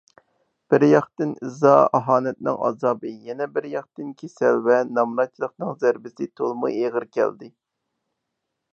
بىرياقتىن ئىزا - ئاھانەتنىڭ ئازابى، يەنە بىرياقتىن كېسەل ۋە نامراتچىلىقنىڭ زەربىسى تولىمۇ ئېغىر كەلدى.